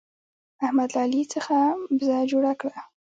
احمد له علي څخه بزه جوړه کړه.